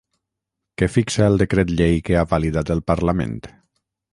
Què fixa el decret llei que ha validat el Parlament?